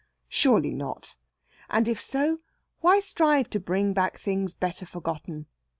Surely not. And if so, why strive to bring back things better forgotten?